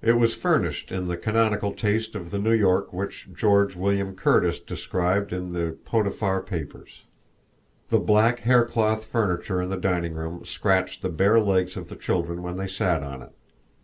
It was furnished in the canonical taste of the New York which George William Curtis described in the Potiphar Papers. The black haircloth furniture in the dining room scratched the bare legs of the children when they sat on it.